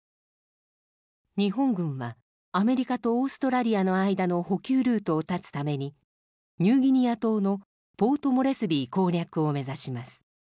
日本軍はアメリカとオーストラリアの間の補給ルートを断つためにニューギニア島のポートモレスビー攻略を目指します。